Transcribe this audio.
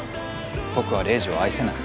僕はレイジを愛せない。